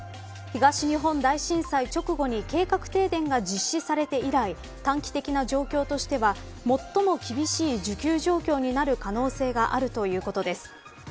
東日本大震災直後に計画停電が実施されて以来短期的な状況としては最も厳しい需給状況になる可能性があるということです。